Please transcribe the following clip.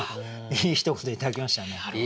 いいひと言頂きましたね。